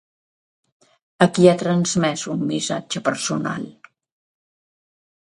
A qui ha transmès un missatge personal?